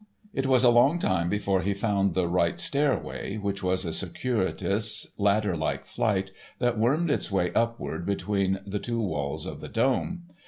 It was a long time before he found the right stairway, which was a circuitous, ladder like flight that wormed its way upward between the two walls of the dome.